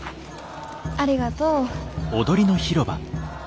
ありがとう。